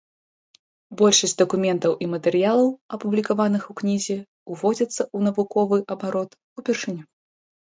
Большасць дакументаў і матэрыялаў, апублікаваных у кнізе, уводзяцца ў навуковы абарот упершыню.